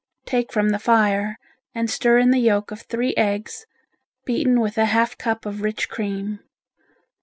Take from the fire and stir in the yolk of three eggs, beaten with a half cup of rich cream.